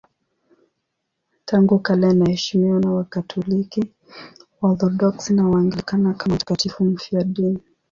Tangu kale anaheshimiwa na Wakatoliki, Waorthodoksi na Waanglikana kama mtakatifu mfiadini.